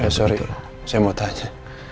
eh sorry saya mau tanya